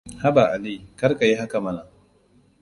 Haba Ali, kar ka yi haka mana.